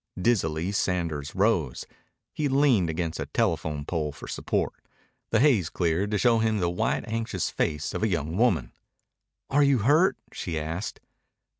Dizzily Sanders rose. He leaned against a telephone pole for support. The haze cleared to show him the white, anxious face of a young woman. "Are you hurt?" she asked.